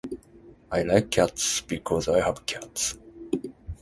I like cats. Because I have cats.